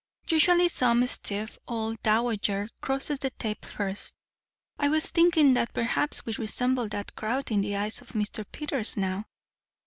Usually some stiff old dowager crosses the tape first. I was thinking that perhaps we resembled that crowd in the eyes of Mr. Peters now."